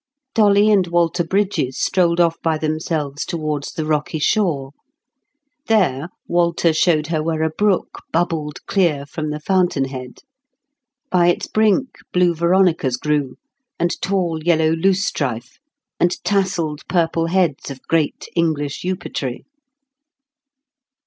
Dolly and Walter Brydges strolled off by themselves toward the rocky shore. There Walter showed her where a brook bubbled clear from the fountain head; by its brink, blue veronicas grew, and tall yellow loosestrife, and tasselled purple heads of great English eupatory.